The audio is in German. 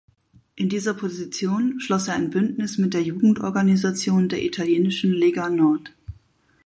In dieser Position schloss er ein Bündnis mit der Jugendorganisation der italienischen Lega Nord.